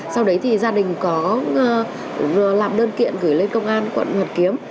sau đấy thì gia đình có làm đơn kiện gửi lên công an quận hoàn kiếm